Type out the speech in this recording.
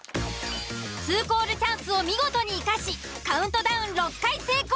２コールチャンスを見事に生かしカウントダウン６回成功。